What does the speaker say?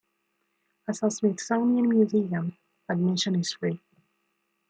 As a Smithsonian museum, admission is free.